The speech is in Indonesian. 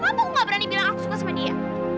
aku gak berani bilang aku suka sama dia